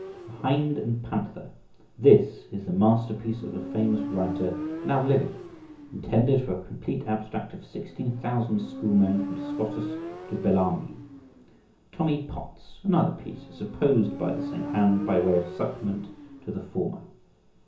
"The Hind and Panther." This is the masterpiece of a famous writer now living {67b}, intended for a complete abstract of sixteen thousand schoolmen from Scotus to Bellarmine. "Tommy Potts." Another piece, supposed by the same hand, by way of supplement to the former.